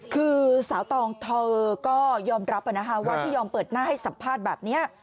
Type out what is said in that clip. คือสาวตองเธอก็ยอมรับว่าที่ยอมเปิดหน้าให้สัมภาษณ์แบบนี้